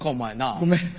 ごめん。